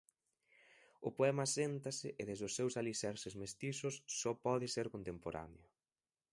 O poema aséntase e desde os seus alicerces mestizos só pode ser contemporáneo.